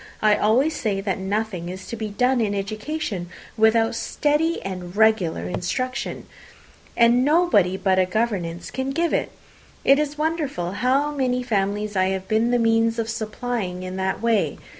I always say that nothing is to be done in education without steady and regular instruction, and nobody but a governess can give it. It is wonderful how many families I have been the means of supplying in that way.